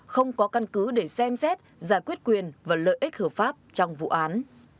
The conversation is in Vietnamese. không có căn cứ để xem xét giải quyết quyền và lợi ích hợp pháp trong vụ án